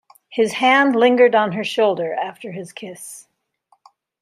His hand lingered on her shoulder after his kiss.